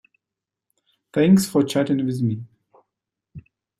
Thanks for chatting with me.